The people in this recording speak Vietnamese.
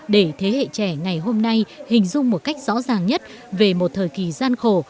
để thế hệ trẻ ngày hôm nay hình dung một cách rõ ràng nhất về một thời kỳ gian khổ